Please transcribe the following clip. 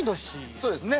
そうですね。